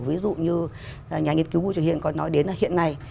ví dụ như nhà nghiên cứu vũ trường hiền còn nói đến là hiện nay